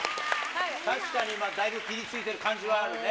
確かにだいぶぴりついている感じはあるね。